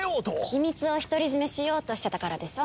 秘密を独り占めしようとしてたからでしょ。